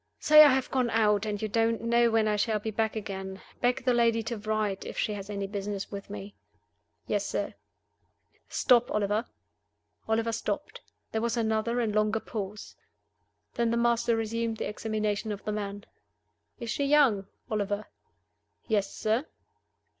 "Say I have gone out, and you don't know when I shall be back again. Beg the lady to write, if she has any business with me." "Yes, sir." "Stop, Oliver!" Oliver stopped. There was another and longer pause. Then the master resumed the examination of the man. "Is she young, Oliver?" "Yes, sir."